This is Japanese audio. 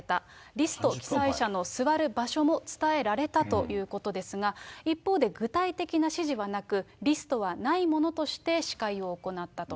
リスト記載者の座る場所も伝えられたということですが、一方で具体的な指示はなく、リストはないものとして司会を行ったと。